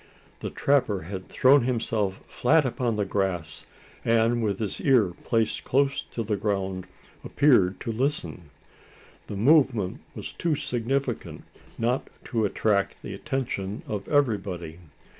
The trapper had thrown himself flat upon the grass; and with his ear placed close to the ground, appeared to listen. The movement was too significant not to attract the attention of everybody.